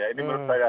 ini menurut saya